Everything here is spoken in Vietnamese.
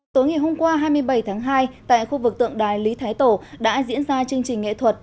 tối ngày hôm qua hai mươi bảy tháng hai tại khu vực tượng đài lý thái tổ đã diễn ra chương trình nghệ thuật